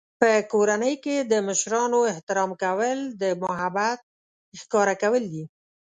په کورنۍ کې د مشرانو احترام کول د محبت ښکاره کول دي.